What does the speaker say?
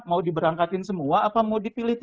mau diberangkatin semua apa mau dipilih